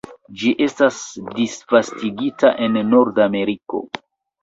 Ĝi estas disvastigita en Nordameriko.